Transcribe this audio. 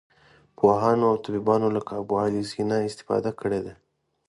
پوهانو او طبیبانو لکه ابوعلي سینا استفاده کړې ده.